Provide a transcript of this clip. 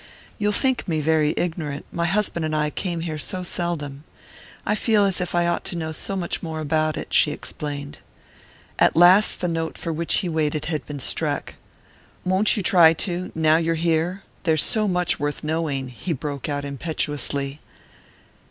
You'll think me very ignorant my husband and I came here so seldom...I feel as if I ought to know so much more about it," she explained. At last the note for which he waited had been struck. "Won't you try to now you're here? There's so much worth knowing," he broke out impetuously.